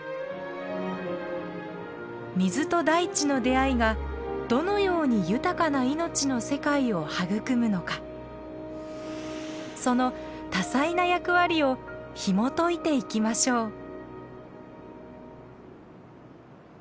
水と大地の出会いがどのように豊かな命の世界を育むのかその多彩な役割をひもといていきましょう。